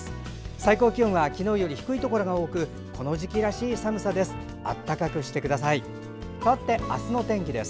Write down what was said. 最高気温は昨日より低いところが多くこの時期らしい寒さです。